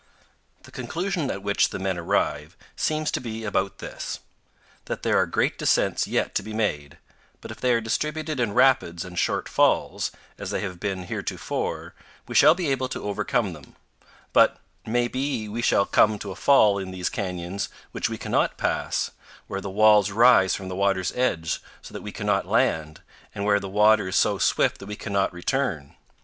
The conclusion at which the men arrive seems to be about this: that there are great descents yet to be made, but if they are distributed in rapids and short falls, as they have been heretofore, we shall be able to overcome them; but may be we shall come to a fall in these canyons which we cannot pass, where the walls rise from the water's edge, so that we cannot land, and where the water is so swift that we cannot return.